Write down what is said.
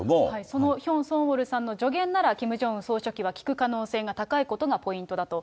そのヒョン・ソンウォルさんの助言なら、キム・ジョンウン総書記は聞く可能性が高いことがポイントだと。